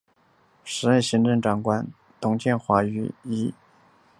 时任行政长官董建华于是以曾荫权接替政务司司长。